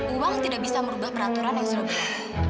uang tidak bisa merubah peraturan yang sudah berlaku